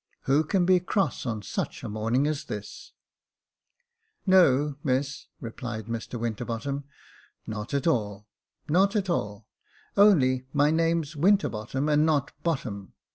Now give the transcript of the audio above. Who can be cross on such a morning as this ?" "No, miss," replied Mr Winterbottom, "not at all — not at all — only my name's Winterbottom, and not Bottom.